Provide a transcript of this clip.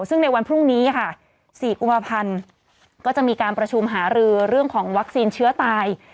ซึ่งในวันพรุ่งนี้ค่ะ๔กุมภาพันธ์ก็จะมีการประชุมหารือเรื่องของวัคซีนเชื้อตาย